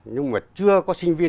nhưng mà chưa có sinh viên